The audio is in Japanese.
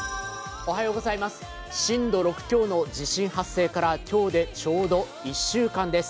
震度６強の地震発生から今日でちょうど１週間です。